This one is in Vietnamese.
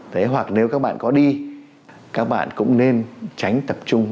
thế hoặc nếu các bạn có đi các bạn cũng nên tránh tập trung